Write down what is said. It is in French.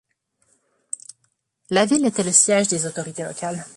La ville était le siège des autorités locales.